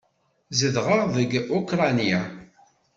Zedɣeɣ deg Ukṛanya.